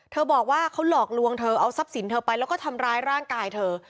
บอกว่าเขาหลอกลวงเธอเอาทรัพย์สินเธอไปแล้วก็ทำร้ายร่างกายเธอ